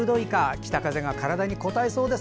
北風が体にこたえそうです。